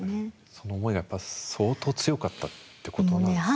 その思いはやっぱ相当強かったってことなんですね。